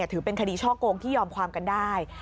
ถือเป็นคดีช่อโกงที่ยอมความกันได้